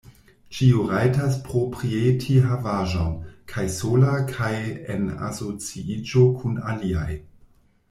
Ĉiu rajtas proprieti havaĵon, kaj sola kaj en asociiĝo kun aliaj.